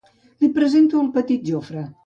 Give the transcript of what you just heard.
Li presento el petit Jofre.